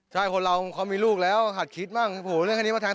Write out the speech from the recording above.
ใช่คนเราเขามีลูกแล้วหัดคิดมั่งโหเรื่องคันนี้มาแทง